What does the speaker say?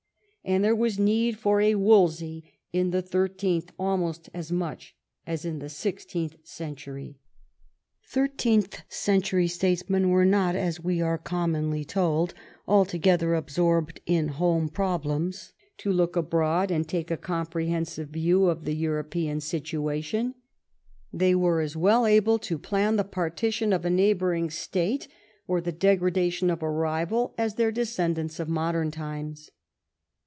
and there was need for a Wolsey in the thirteenth almost as much as in the sixteenth century. Thirteenth century states men were not, as we are commonly told, altogether absorbed in home problems, and too feeble or too much wedded to routine and tradition to look abroad and take a comprehensive view of the European situation. They were as well able to plan the partition of a neighbouring state, or the degradation of a rival, as their descendants of modern times.